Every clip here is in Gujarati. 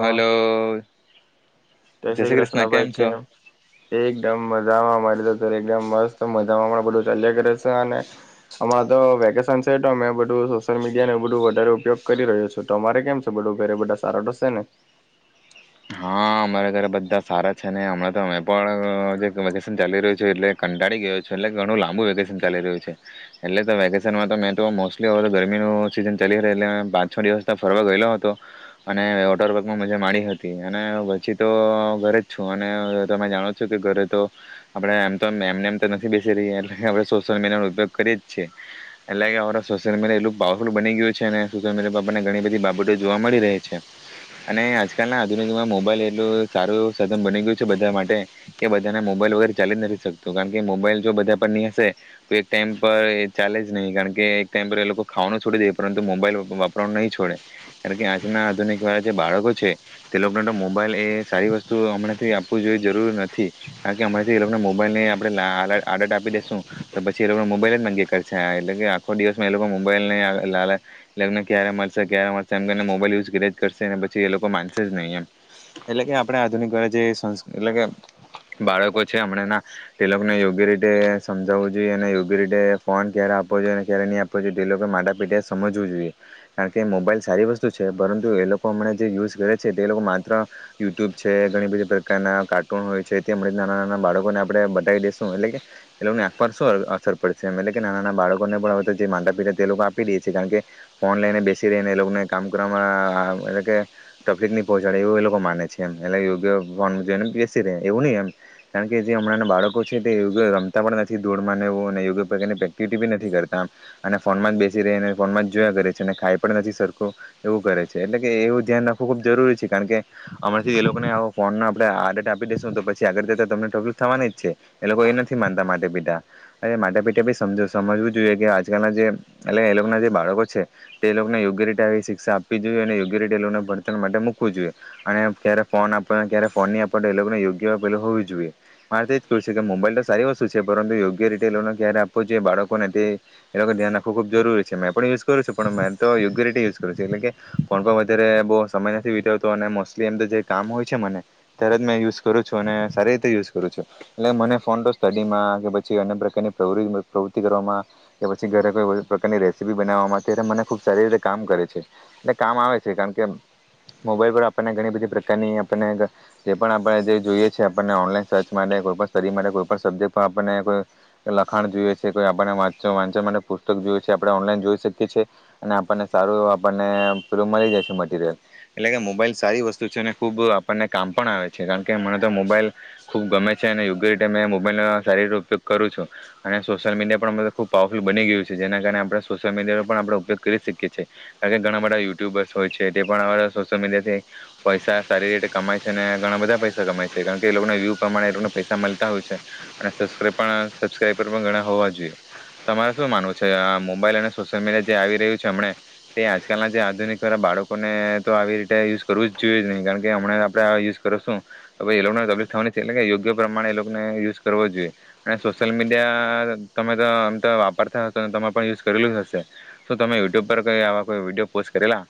હલો જય શ્રી કૃષ્ણ ભાઈ કે એકદમ મજામાં અમા તો મસ્ત મજામાં પણ બધું ચાલ્યા કરે છે અને અમાં તો વેકેશન છે અ બધું સોશિયલ મીડિયા ન બધું વધારે ઉપયોગ કરી રહ્યો છું તમારે કેમ છે બધું ઘરે બધા સારા છે ને હા અમારા ઘરે બધા સારા છે ને હમણાં તો અમે પણ જે વેકેશન ચાલી રહ્યું છ એટલે કંટાળી ગું છું એટલે ઘણું લાંબુ વેકેશન ચાલી રહ્યું છે એટલે તો વેકેશનમાં તો મેં તો મોસ્ટલી હવે તો ગરમીનું સિઝન ચાલી રહ્યું એટલે પાંચ છ દિવસ ફરવા ગયેલો હતો અને વોટરવર્કમાં મજા માંડી હતી અને પછી તો ઘરે જ છું અનેમે જાણો છો કે ઘરે તો આપણેે આમ તો એમને એમ તો નથી બેસી રહી એટલે આપણે સોશિયલ મીડિયા નો ઉપયોગ કરીએ જ છીએ એટલે કે અ સોશિયલ મીડિયા એટલું પાવરફુલ બની ગયું છે અને સોશિયલ મીડિયા પર આપણને ઘણી બધી બાબતો જોવા મળી રહી છે અને આજ આજકાલના આધુનિકમાં મોબાઈલ એટલું સારું સાધન બની ગયું છે બધા માટે કે બધાને મોબાઈલ વગર ચાલી જ નથી શકતું કારણ કે મોબાઈલ જો બધા પર ની હશે તો એક ટાઈમ પર એ ચાલે જ નહી કારણ કે એક ટાઈમ પર એ લોકો ખાવાનું છોડી દે પરંતુ મોબાઈલ વાપ વાપરવાનું નહીં છોડ કારણ કે આજના આધુનિક વાળા જે બાળકો છે. તે લોકોને તો મોબાઈલ એ સારી વસ્તુ હમણાથી આપવું જોઈ જરૂર નથી કારણ કે હમણાથી એ લોકોને મોબાઈલ ને આપણે લાલ આદત આપી દેસું તો પછી એ લોકોને મોબાઈલ જ માગીયા કરશે આ એટલે કે આખો દિવસમાં એ લોકો મોબાઈલને આ લાલચ એ લોકોને કયારે મળશે ક્યારે મળશે એમ કરને મોબાઈલ યુઝ કરીયા જ કરશે ને પછી એ લોકો માન છે જ નહી એમ એટલે કે આપણે આધુનિક વાળા જે સંસ એટલે કે બાળકો છે હમણાં ના તે લોકોને યોગ્ય રીતે સમજાવવું જોઈએ અને યોગ્ય રીતે ફોન ક્યારે આપવો જોઈએ ક્યારે નહીં આપવો જોઈએ તે લોકો માતા પિતાએ સમજવું જોઈએ કારણ કે મોબાઈલ સારી વસ્તુ છે પરંતુ એ લોકો હમણા જે યુઝ કરે છે તે લોકો માત્ર યુટ્યુબ છે ઘણી બધી પ્રકારના કાર્ટૂન હોય છે તે અમણાથી નાના નાના બાળકોને આપણે બતાવી દેશું એટલે કે એ લોકોને આંખ પર શું અર અસર પડશે એમ એટલે કે નાના નાના બાળકોને પણ હવે જે માતા પિતા તે લોકો આપી દે છે કારણ કે ફોન લઈને બેસી રહીને એ લોકોને કામ કરવામાં એટલે કે તકલીફ નહી પહોંચાડે એવું એ લોકો માને છે એમ એટલે યોગ્ય ફોનમાં જોઈને બેસી રહે એવું નહીં એમ કારણકે જે હમણાં ના બાળકો છે તે યોગ્ય રમતા પણ નથી ધુળમાં ને એવું અને યોગ્ય પ્રકારની એક્ટિવિટી બી નથી કરતા આમ અને ફોનમાં જ બેસી રહે અને ફોનમાં જ જોયા કરે છે અને ખાઈ પણ નથી સરખું એવું કરે છે એટલે કે એવું ધ્યાન રાખુબ જરૂરી છે કારણ કે અમણાથી એ લોકોને આવો ફોન આપણે આવો આદત આપી દેસું તો પછી આગળ જતા તમને તકલીફ થવાની જ છે એ લોકો એ નથી માનતા માતા પિતા અને માતા પિતા બી સમજો સો સમજવું જોઈએ કે આજકાલના જે એટલે એ લોકોના જે બાળકો છે તે એ લોકોને યોગ્ય રીતે આવી શિક્ષા આપવી જોઈએ અને યોગ્ય રીતે એ લોકોને પણ માટે મૂકવું જોઈએ અને ક્યારે ફોન આપણને ક્યારે ફોન નહી આપડેય એ લોકોને યોગ્ય પેલુ હોવી જોઈએ મારે તો એજ કેવુ છે કે મોબાઈલ તો સારી વસ્તુ છે પરંતુ યોગ્ય રીતે એ લોકોને ક્યારે આપવો જોઈએ બાળકોને તે એ લોકો ધ્યાન રાખવું ખૂબ જરૂરી છે મેં પણ યુઝ કરું છું પણ મે તો યોગ્ય રીતે યુઝ કરું છું એટલે કે ફોન પર વધારે બોહ સમય નથી વિતાવતો અને મોસ્ટલી એમ તો જે કામ હોય છે મને ત્યારે જ મેં યુઝ કરું છું અને સારી રીતે યુઝ કરું છું એટલે મને ફોન તો સ્ટડીમાં કે પછી અન્ય પ્રકારની પ્રવૃત્તિ પ્રવૃત્તિ કરવામાં કે પછી ઘરે કોઈ પછી પ્રકારની રેસીપી બનાવવામાં ત્યારે મને ખૂબ સારી રીતે કામ કરે છે એટલે કામ આવે છે કારણ કે મોબાઈલ પર આપણને ઘણી બધી પ્રકારની આપણને જે પણ આપણે જે જોઈએ છે આપણને ઓનલાઈન સર્ચ માટે કોઈ પણ સ્ટડી માટે કોઈ પણ સબ્જેક્ટમાં આપણને કોઈ લખાણ જોઈએ છે કોઈ આપણને વાચો વાંચન માટે પુસ્તક જોઈએ છે આપણે ઓનલાઈન જોઈ શકીએ છે અને આપણને સારું આપણને રૂમ મળી જાય છે મટીરિયલ એટલે કે મોબાઈલ સારી વસ્તુ છે અને ખુબ આપણને કામ પણ આવે છે કારણ કે મને તો મોબાઈલ ખુબ ગમે છે અને યોગ્ય રીતે મેં મોબાઈલનો સારી રીતે ઉપયોગ કરું છું અને સોશિયલ મીડિયા પણ અમણાતો ખુબ પાવરફુલ બની ગયું છે જેના કારણે આપણે સોશિયલ મીડિયાનો પણ આપણે ઉપયોગ કરી શકીએ છે કારણ કે ઘણા બધા યુટ્યુબર્સ હોય છે તે પણ હવે સોશિયલ મીડિયાથી પૈસા સારી રીતે કમાય છે અને ઘણા બધા પૈસા કમાય છે કારણ કે એ લોકોના વ્યૂ પ્રમાણે એ લોકોને પૈસા મલતા હોય છે અને સબસ્ક્રાઈબ પણ સબસ્ક્રાઈબર પણ ઘણા હોવા જોઈએ તમારે શું માનવું છે આ મોબાઈલ અને સોશિયલ મીડિયા જે આવી રહ્યું છે અમણે તે આજકાલના જે આધુનિક વાળા બાળકો લોકોને તો આવી રીતે યુઝ કરવું જ જોઈએ જ ને કારણ કે હમણા આપડે આ યુઝ કરોશું તો પહી એ લોકોને તકલીફ થવાની છે એટલે કે યોગ્ય પ્રમાણે એ લોકોને યુઝ કરવો જ જોઈએ અને સોશિયલ મીડિયા તમે તો આમ તો વાપરતા હશો તમે પણ યુઝ કરેલું જ હશે શુ તમે યુટ્યુબ પર કઈ આવા કોઈ વિડીયો પોસ્ટ કરેલા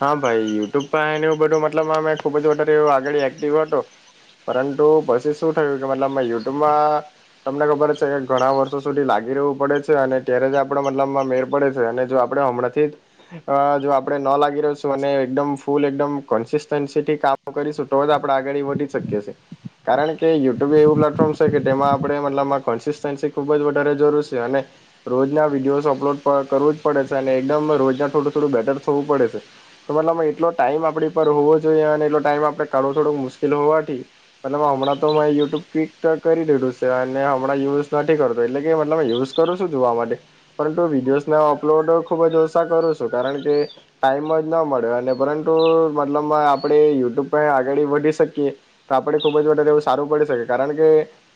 હા ભાઈ યુટ્યુબ પર ને એવું બધું મતલબ અમે ખુબ જ વધારે એવુ આગળ એક્ટિવ હતો પરંતુ પછી શું થયું કે મતલબ યુટ્યુબમાં તમને ખબર છે કે ઘણા વર્ષો સુધી લાગી રહેવું પડે છે અને ત્યારે જ આપડે મતલબમાં મેર પડે છે અને જો આપડે હમણાંથી અ જો આપડે ન લાગી લાગી રહુ છું અને એકદમ ફૂલ એકદમ કન્સિસ્ટન્સીથી કામ કરીશું તો જ આપણે આગળી વધી શકીએ છીએ કારણ કે યુટ્યુબ એવું પ્લેટફોર્મ છે કે તેમાં આપણે મતલબમાં કન્સિસ્ટન્સી ખૂબ જ વધારે જરૂર છે અને રોજના વિડીયોઝ અપલોડ પણ કરવું જ પડે છે અને એકદમ રોજના થોડું થોડું બેટર થવું પડે છે. તો મતલબ એટલો ટાઈમ આપડી પર હોવો જોઈએ અને એટલો ટાઈમ આપણે કાઢવો થોડું મુશ્કેલ હોવાથી મતલબ હમણાં તો મે યુટ્યુબ ક્લિક ત કરી દીધું છે અને હમણાં યુઝ નથી કરતો એટલે કે મતલબ યુઝ કરું છું જોવા માટે પરંતુ વિડીયોઝને અપલોડ ખુબ જ ઓછા કરું છું કારણ કે ટાઈમ જ ન મળે અને પરંતુ મતલબમાં આપણે યુટ્યુબ પર આગળી વધી શકીએ તો આપણે ખૂબ જ વધારે એવું સારું પડી શકે કારણ કે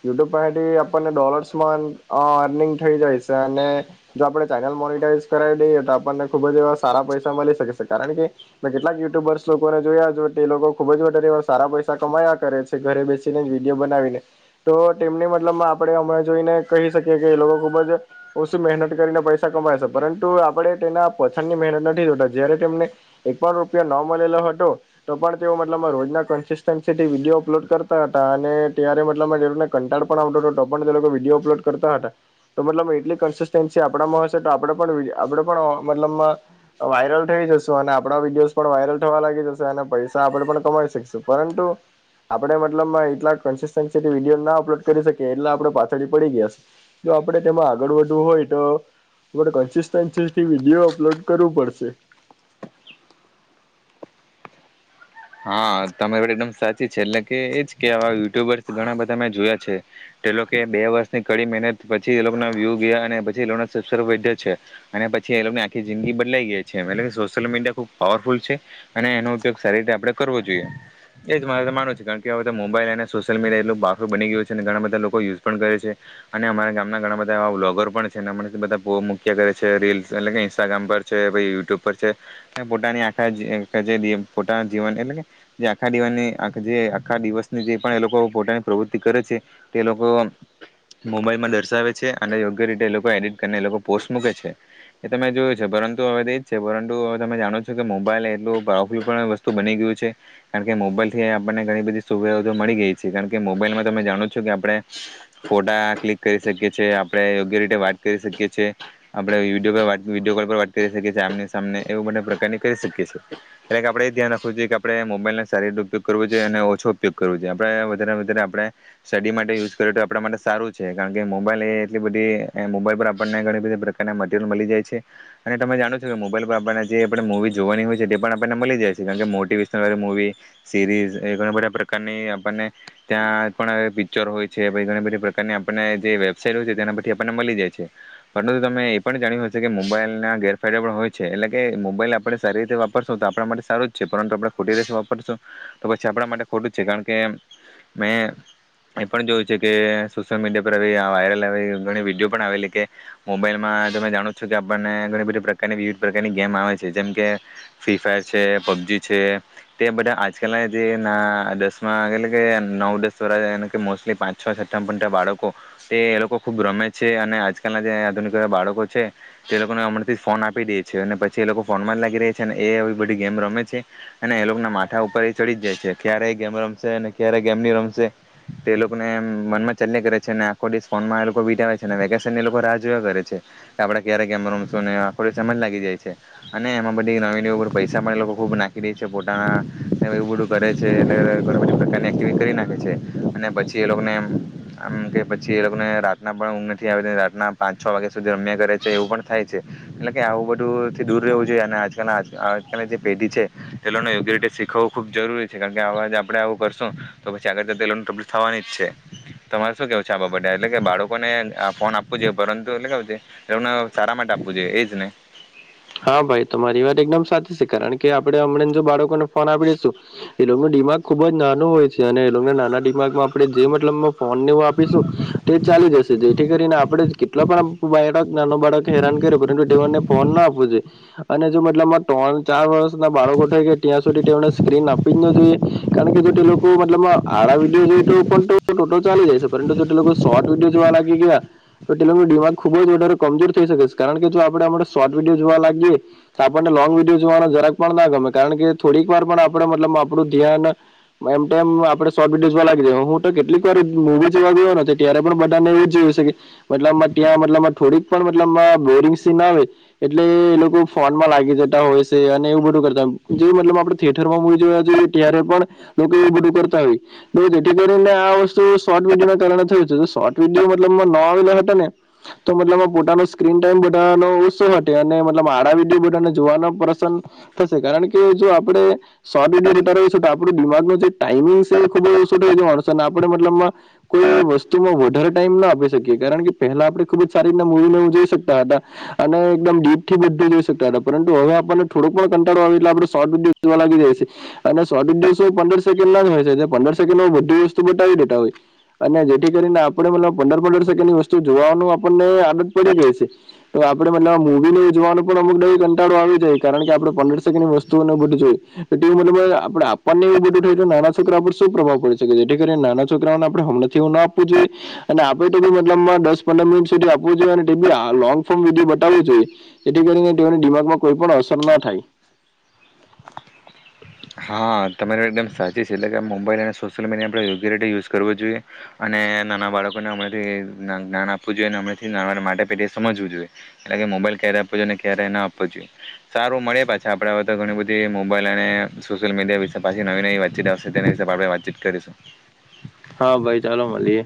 યુટ્યુબ પસેથી આપણને ડોલર્સમાં અ અર્નિંગ થઈ જાય છે અને જો આપણે ચેનલ મોનિટાઈઝ કરાવી દઈએ તો આપણને ખૂબ જ એવા સારા પૈસા મળી શકે છે. ત કારણ કે મે કેટલાક યુટ્યુબર્સ લોકોને જોયા જો તે લોકો ખુબ જ વધારે સારા પૈસા કમાયા કરે છે ઘરે બેસીને વિડીયો બનાવીને તો તેમની મતલબમાં આપણે હમણાં જોઈને કહી શકીએ કે એ લોકો ખુબ જ ઓછી મહેનત કરીને પૈસા કમાય છે પરંતુ આપણે તેના પાછળની મહેનત નથી જોતા જયારે તેમને એક પણ રૂપિયા ન મલેલો હતો તો પણ તેઓ મતલબ રોજના કંસિસ્ટનસી થી વિડીયો અપલોડ કરતા હતા અને ત્યારે મતલબમા તે લોકોને કંટળ પણ આવતો હતો તો પણ તે લોકો વિડીયો અપલોડ કરતા હતા તો મતલબ એટલી કન્સિસ્ટનસી આપડામાં હશે તો આપણે પણ વી આપણે પણ અ મતલબમા વાયરલ થઈ જશુ અને આપણા વિડીયોઝ પણ વાયરલ થવા લાગી જશે અને પૈસા આપણે પણ કમાઈ શકીશું પરંતુ આપણે મતલબમાં એટલા કન્સિસ્ટન્સીથી વિડીયો ના અપલોડ કરી શકીએ એટલા આપણે પાછળી પડી ગયા છે જો આપણે તેમાં આગળ વધવું હોય તો આપણે કન્સિસ્ટન્સીથી વિડિયો અપલોડ કરવું પડશે. હા તમારી વાત એકદમ સાચી છે એટલે કે એજ કે આવા યુટ્યુબર્સ ઘણા બધા મેં જોયા છે તે લોકે બે વર્ષની કડી મહેનત પછી એ લોકોના વ્યુ ગયા અને પછી એ લોકોના સબ્સ્ક્રાઇબ વધ્યા છે અને પછી એ લોકોની આખી જિંદગી બદલાઈ ગઈ છે એમ એટલે કે સોશિયલ મીડિયા ખુબ પાવરફુલ છે અને એનો ઉપયોગ સારી રીતે આપણે કરવો જોઈએ એ જ મારે તો માનુંવું છે કારણ કે અવે તો મોબાઈલ અને સોશિયલ મીડિયા એટલું પાવરફુલ બની ગયું છે ને ઘણા બધા લોકો યુઝ પણ કરે છે અને અમારા ગામના ઘણા બધા એવા બ્લોગર પણ છે ને અમણાથી બધા પો મૂક્યા કરે છે રીલ્સ એટલે કે ઇન્સ્ટાગ્રામ પર છે પહી યુટ્યુબ પર છે ને પોતાની આખા જે અમ જે ડી એમ ફોટા જીવનત એટલે કે જે આખા દિવાની આખ જે આખા દિવસની જે પણ એ લોકો પોતાની પ્રવૃત્તિ કરે છે તે લોકો મોબાઈલમાં દર્શાવે છે અને યોગ્ય રીતે એ લોકો એડિટ કરીને એ લોકો પોસ્ટ મૂકે છે એ તમે જોયું છે પરંતુ હવે તેજ છે પરંતુ હવે તમે જાણો છો કે મોબાઈલ એટલું પ્રાવલફુલ પણ બની ગયું છે કારણ કે મોબાઈલથી એ આપણને ઘણી બધી સુવિધા તો મળી ગઈ છે કારણ કે મોબાઈલમાં તમે જાણો છો કે આપણે ફોટા ક્લિક કરી શકીએ છીએ આપણે યોગ્ય રીતે વાત કરી શકીએ છીએ આપણે વિડિયો પર વાત વિડિયો કોલ પર વાત કરી શકીએ છે આમને સામને એવું બધા પ્રકારની કરી શકીએ છીએ એટલે કે આપણેે ધ્યાન રાખ ખોજ એક આપણે મોબાઈલનો સારી રીતે ઉપયોગ કરવો જોઈએ અને ઓછો ઉપયોગ કરવો જોઈએ આપણે વધારેમાં વધારે આપણે સ્ટડી માટે યુઝ કરે તો આપણા માટે સારું છે કારણ કે મોબાઈલ એ એટલી બધી એમ મોબાઈલ પર આપણને ઘણી બધી પ્રકારના મટીરિયલ મલી જાય છે અને તમે જાણો છો કે મોબાઈલ પર આપણને જે આપણે મૂવી જોવાની હોય છે તે પણ આપણને મળી જાય છે. છે કારણ કે મોટિવેશનલ વાળી મૂવી સીરીઝ એ ઘણા બધા પ્રકારની આપણને ત્યાં પણ પિક્ચર હોય છે પહી ઘણી બધી પ્રકારની આપણને જે વેબસાાઈટ હોય છે તેના પરથી આપણને મળી જાય છે પરંતુ તમે એ પણ જાણ્યું હશે કે મોબાઈલના ગેરફાયદા પણ હોય છે એટલે કે મોબાઈલ આપણે સારી રીતે વાપરશો તો આપણા માટે સારું જ છે પરંતુ આપણે ખોટી રીતે વાપરશું તો પછી આપણા માટે ખોટું જ છે કારણ કે મેં એ પણ જોયું છે કે સોશિયલ મીડિયા પર હવે આ વાયરલ આવે ઘણી વિડિયો પણ આવેલી કે મોબાઈલમાં તમે જાણો છો કે આપણને ઘણી બધી પ્રકારની વિવિધ પ્રકારની ગેમ આવે છે જેમકે ફ્રી ફાયર છે પબજી છે તે બધા આજકાલના જે ના દસમાં એટલે કે નવ દસ વાળા એ કે મોસ્ટલી પાંચ છ છઠ્ઠા મા ભણતા બાળકો તે એ લોકો ખુબ રમે છે અને આજકાલના જે આધુનિક એવા બાળકો છે તે લોકોને અમરાથી જ ફોન આપી દે છે અને પછી એ લોકો ફોનમાં જ લાગી રે છે અને એ આવી બધી ગેમ રમે છે અને એ લોકોના માથા ઉપર એ ચડી જાય છે ક્યારે એ ગેમ રમશે ને ક્યારે ગેમ ની રમશે તે એ લોકોને મનમાં ચાલીયા કરે છે અને આખો દિવસ ફોનમાં એ લોકો વિતાવે છે ને વેકેશની લોકો રાહ જોયા કરે છે કે આપડે ક્યારે ગેમ રમશું ને આખો દિવસ એમા જ લાગી જાય છે અને એમાં બધી [unintelligible] પૈસા સા એ લોકો ખૂબ નાખી દે છે પોતાના એવું બધું કરે છે એટલે ઘણી બધી પ્રકારની એક્ટિવિટી કરી નાખે છે અને પછી એ લોકોને એમ એમ કે પછી એ લોકોને રાતના પણ ઊંઘ નથી આવે રાતના પાંચ છ વાગ્યા સુધી રમ્યા કરે છે એવું પણ થાય છે એટલે કે આવું બધુંથી દૂર રહેવું જોઈએ અને આજકાલના આજ આજ કાલના જે પેઢી છે તે લોકને યોગ્ય રીતે શીખવવું ખુબ જરૂરી છે કારણ કે આવા જ આપડે આવું કરશું તો પછી આગળ જતા એ લોકોને તબલીફ થવાની જ છે તમારે શું કેવું છે આ બાબતે એટલે કે બાળકોને આ ફોન આપવો જોઈએ પરંતુ એટલે કેવું છે તે લોકોને સારા માટે આપવું જોઈએ એજ ને હા ભાઈ તમારી વાત એકદમ સાચી છે કારણ કે આપડે હમણાં જો બાળકોને ફોન આપી દઈશું તો એ લોકોનુ દિમાગ ખુબ જ નાનું હોય છે અને એ લોકોને નાના દિમાગમાં આપણે જે મતલબમાં ફોન નેવું આપીશું તે ચાલી જશે જે જેથી કરીને આપડે જ કેટલા પણ આમ બાયળક નાનો બાળક હેરાન કર્યો પરંતુ તેઓને ફોન ના આપ જોઈએ અને જો મતલબમા ત્રણ ચાર વર્ષના બાળકો થઈ ગયા ત્યાં સુધી તે ઓને સ્ક્રીન આપી જ ન જોઈએ કારણ કે જો તે લોકો મતલબમા આળા વિડીયો જોઈ તો પણ ટોટો ચાલી જાય છે પરંતુ તે લોકો શોર્ટ વિડીયો જોવા લાગી ગયા તો તે લોકો દિમાગ ખુબ જ વધારે કમજોર થઈ શકે છે કારણ કે જો આપણે આ માટે સો વિડીયો જોવા લાગીએ આપણને લોંગ વિડીયો જોવાનો જરાક પણ ના ગમે કારણ કે થોડીક વાર પણ આપણે મતલબમા આપણુ ધ્યાન એમ તેમ આપણે સોર્ટ વિડીયો જોવા લાગી રહી યે હું તો કેટલીક વાર એ મુવી જોવા ગયો ને તો ત્યારે પણ બધાને એવું જ જોયું છે કે મતલબમા ત્યાં મતલબમા થોડીક પણ મતલબમા બોરિંગ સીન આવે એટલે એ લોકો ફોનમાં લાગી જતા હોય છે અને એવું બધું કરતા જે મતલબ આપડે થિયેટરમાં મુવી જોયા ત્યારે પણ લોકોએ બધું કરતા હોય જેથી કરીને આ વસ્તુ શોર્ટ વિડયો ના કારણે થયુ છે શોર્ટ વિડીયો મતલબમાં ન આવેલા હતા ને તો મતલબમા પોતાનો સ્ક્રીન ટાઈમ બધાનો ઓછો હોત તે અને મતલબમા આડા વિડીયો એ બધાને જોવાના પ્રસંદ થશે કારણ કે જો આપણે શોર્ટ વિડીયો જોતા રહીશું તો આપણુ દિમાગનુ જે ટાઈમિંગ છે એ ખુબ ઓછો તો એ માણસો આપડે મતલબમા કોઈ વસ્તુમાં વધારે ટાઈમ ન આપી શકીએ કારણ કે પહેલા આપણે ખુબ જ સારી રીતના મુવી નેવુ જોઈ શકતા હતા અને એકદમ દીપથી બધુ જોઈ સકતા હતા પરંતુ હવે આપણને થોડો પણ કંટળો આવે એટલે આપણે સોર્ટ વિડીયો જોવા લાગી જાય છે અને સોર્ટ વિડીયો એ શું પંદર સેકન્ડના જ હોય છે ને પંદર સેકન્ડ હોય બધી વસ્તુ બતાવી દેતા હોય અને જેથી કરીને આપણે મતલબ પંદર પંદર સેકન્ડની વસ્તુ જોવાનો આપણને આદત પડી ગઈ છે તો આપણે મતલબ મુવીને ઉજવાનો પણ અમુક દાળે કંટાળો આવી જાય કારણ કે આપણે પંદર સેકન્ડની વસ્તુઓને બધું જોય એટલે મતલબમા આપણે આપવાને એવું બધું થાય જાય તો નાના છોકરા પર શું પ્રભાવ પડી શકે જેથી કરી નાના છોકરાઓને આપણે હમણાંથી એવું ના આપવું જોઈએ અને આપે તો મતલબમાં દસ પંદર મિનિટ સુધી આપવું જોઈએ અને તે ડી આ લોનગ ફોર્મ ને બધુ કરવી જોઈએ જેથી કરીને તેઓની દિમાગમાં કોઈપણ અસર ના થાય હા તમારી એકદમ સાચી છે એટલે કે મોબાઈલ અને સોશિયલ મીડિયા આપણે યોગ્ય રીતે યુઝ કરવો જોઈએ અને નાના બાળકોને અમણાથી જ્ઞાન જ્ઞાન આપવું જોઈએ અને અમણાથી નાવાના માટે પેટી સમજવું જોઈએ એટલે કે મોબાઈલ ક્યારે આપવો જોઈએ અને ક્યારે ન આપવો જોઈએ સારું મળીએ પાછા આપણે હવે તો ઘણી બધી મોબાઈલ અને સોશિયલ મીડિયા વિશે પાછી નવી નવી વાતચીત આવશે તેના હિસાબ આપણે વાતચીત કરીશું. હા ભાઈ ચાલો મળીએ.